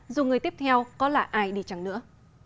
dù người tiếp theo có là ai đi chẳng nữa